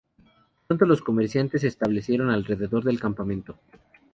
Pronto los comerciantes se establecieron alrededor del campamento.